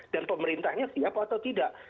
dan pemerintahnya siapa atau tidak